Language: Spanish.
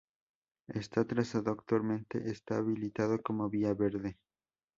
Este trazado actualmente está habilitado como vía verde.